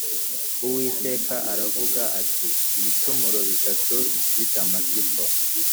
Uwiteka aravuga ati “Ibicumuro bitatu by’i Damasiko